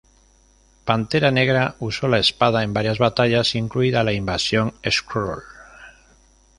Pantera Negra usó la espada en varias batallas, incluida la invasión Skrull.